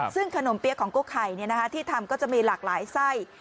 ซึ่งขนมเปี๊ยะของโก้ไข่ที่ทำก็จะมีหลากหลายไส้